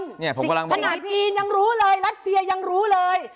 สิ่งที่ขนาดจีนยังรู้เลยและเสียยังรู้เลย